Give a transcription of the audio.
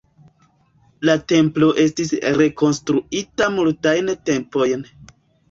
La templo estis rekonstruita multajn tempojn.